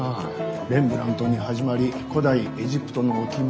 レンブラントに始まり古代エジプトの置物。